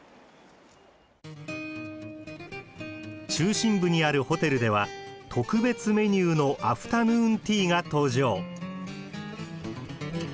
中心部にあるホテルでは特別メニューのアフタヌーンティーが登場。